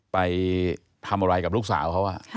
ไปทำอะไรกับลูกสาวเขา